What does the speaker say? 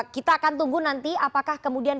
kita akan tunggu nanti apakah kemudian